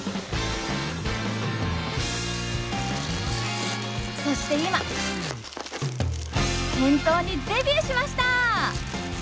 さあそして今店頭にデビューしました！